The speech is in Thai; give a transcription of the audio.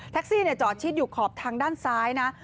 แท็กซี่เนี่ยจอดชิดอยู่ขอบทางด้านซ้ายนะ